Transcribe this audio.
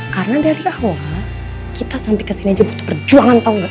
karena dari awal kita sampai kesini aja butuh perjuangan tau gak